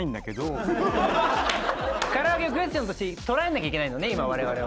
からあげをクエスチョンとして捉えなきゃいけないわれわれは。